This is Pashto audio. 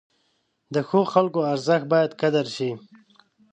د ښو خلکو ارزښت باید قدر شي.